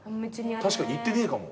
確かに行ってねえかも。